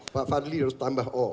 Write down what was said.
pak fadli harus tambah oh